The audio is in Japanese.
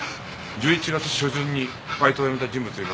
１１月初旬にバイトを辞めた人物はいませんか？